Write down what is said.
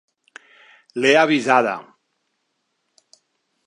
L'he avisada.